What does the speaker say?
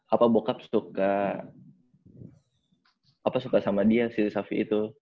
apa bokap suka apa suka sama dia si savi itu